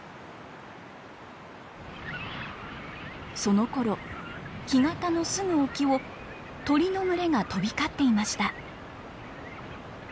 そのころ干潟のすぐ沖を鳥の群れが飛び交っていました。